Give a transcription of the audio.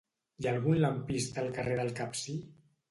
Hi ha algun lampista al carrer del Capcir?